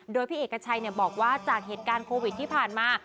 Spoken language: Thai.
โดยพี่เอกชัยบอกว่าจากเหตุการณ์โควิดที่ผ่านมา